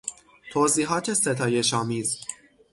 توضیحات ستایشآمیز